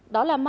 đó là mai nhật